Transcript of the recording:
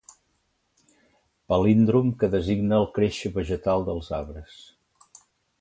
Palíndrom que designa el créixer vegetal dels arbres.